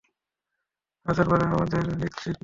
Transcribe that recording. হায়দারের ব্যাপারে নিশ্চিত নই।